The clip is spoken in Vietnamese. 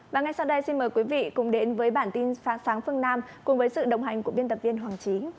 và ngay sau đây xin mời quý vị cùng đến với bản tin sáng phương nam cùng với sự đồng hành của biên tập viên hoàng trí